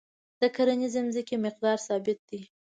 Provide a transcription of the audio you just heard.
د کرنیزې ځمکې مقدار ثابت دی.